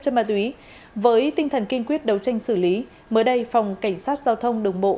chất ma túy với tinh thần kiên quyết đấu tranh xử lý mới đây phòng cảnh sát giao thông đường bộ